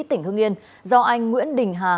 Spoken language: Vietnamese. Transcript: tỉnh hưng yên do anh nguyễn đình hà